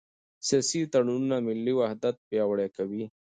سیاسي تړونونه ملي وحدت پیاوړی کوي